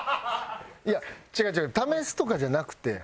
いや違う違う試すとかじゃなくて。